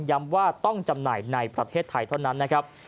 ย้ำว่าต้องจำหน่ายในประเทศไทยเท่านั้นนะครับ